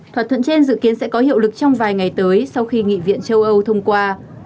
thỏa thuận trên dự kiến sẽ có hiệu lực trong vài ngày tới sau khi nghị viện châu âu thông qua